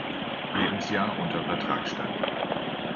Lebensjahr unter Vertrag stand.